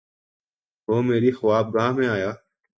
وہ میری خوابگاہ میں آیا